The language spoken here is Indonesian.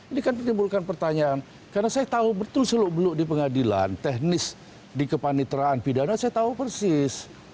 ini kan menimbulkan pertanyaan karena saya tahu betul seluk beluk di pengadilan teknis di kepanitraan pidana saya tahu persis